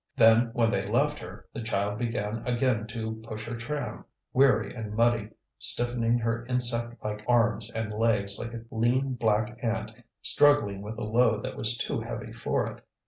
Then, when they left her, the child began again to push her tram, weary and muddy, stiffening her insect like arms and legs like a lean black ant struggling with a load that was too heavy for it.